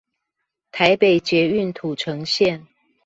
臺北捷運土城線